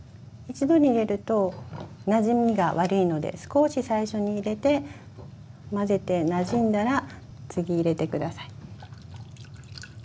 一度に入れるとなじみが悪いので少し最初に入れて混ぜてなじんだら次入れて下さい。